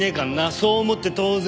そう思って当然。